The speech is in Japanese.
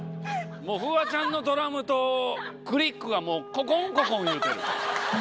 フワちゃんのドラムと、クリックがもう、ここんここんいうてる。